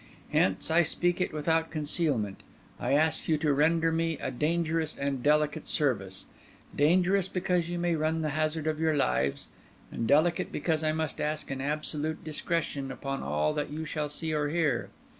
Hence, I speak it without concealment, I ask you to render me a dangerous and delicate service; dangerous because you may run the hazard of your lives, and delicate because I must ask an absolute discretion upon all that you shall see or hear.